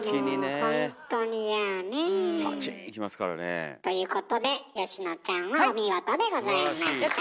パチーンきますからねえ。ということで佳乃ちゃんはお見事でございました。